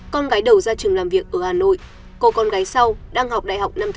con gái đầu ra trường làm việc ở hà nội cô con gái sau đang học đại học năm thứ hai